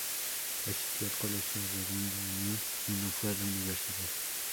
Asistió al colegio Redondo Union y no fue a la universidad.